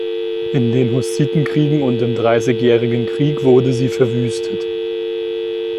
In den Hussitenkriegen und im Dreißigjährigen Krieg wurde sie verwüstet.